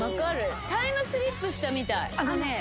タイムスリップしたみたい。